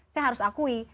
saya harus akui